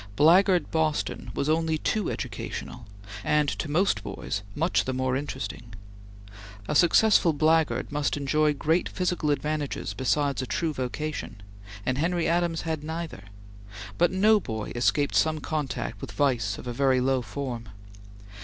Blackguard Boston was only too educational, and to most boys much the more interesting. A successful blackguard must enjoy great physical advantages besides a true vocation, and Henry Adams had neither; but no boy escaped some contact with vice of a very low form.